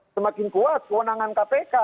semakin kuat kewenangan kpk